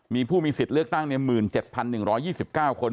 มีผู้มีสิทธิ์เลือกตั้ง๑๗๑๒๙คน